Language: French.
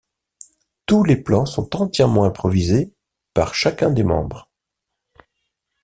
Tous les plans sont entièrement improvisés par chacun des membres.